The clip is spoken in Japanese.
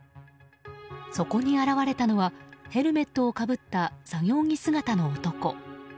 そこに現れたのはヘルメットをかぶった作業着姿の男。